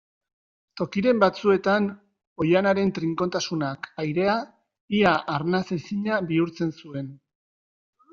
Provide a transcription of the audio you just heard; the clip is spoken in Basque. Tokiren batzuetan, oihanaren trinkotasunak, airea, ia arnasezina bihurtzen zuen.